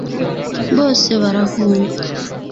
bose barahunga